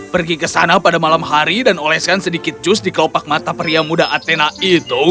pergi ke sana pada malam hari dan oleskan sedikit jus di kelopak mata pria muda athena itu